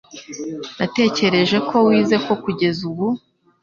Natekereje ko wize ko kugeza ubu.